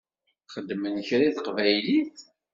Xedmen kra i teqbaylit?